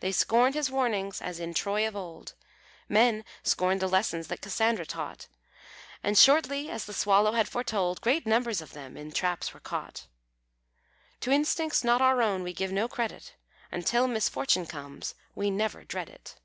They scorned his warnings, as in Troy of old Men scorned the lessons that Cassandra taught. And shortly, as the Swallow had foretold, Great numbers of them in the traps were caught. To instincts not our own we give no credit, And till misfortune comes, we never dread it.